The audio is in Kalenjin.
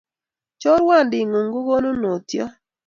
Choruandit ng'uung ko konunotiot